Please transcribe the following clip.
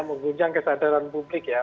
mengguncang kesadaran publik ya